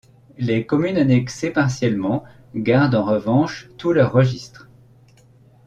Les communes annexées partiellement gardent en revanche tous leurs registres.